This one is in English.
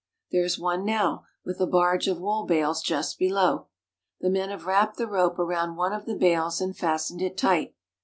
There is one now, with a barge of wool bales just below. The men have wrapped the rope around one of the bales and fastened it tight.